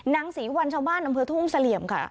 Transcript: น้องสีวรรณชาวบ้านบริเวณทุ่งเสลี่ยมค่ะ